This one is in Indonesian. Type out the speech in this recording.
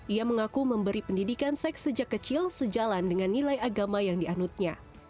ia mengaku memberi pendidikan seks sejak kecil sejalan dengan nilai agama yang dianutnya